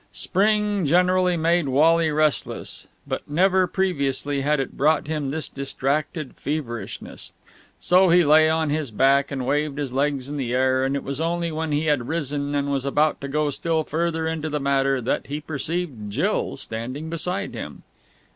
Spring generally made Wally restless, but never previously had it brought him this distracted feverishness. So he lay on his back and waved his legs in the air, and it was only when he had risen and was about to go still further into the matter that he perceived Jill standing beside him.